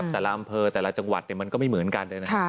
ตามเภอแต่ละจังหวัดมันก็ไม่เหมือนกัน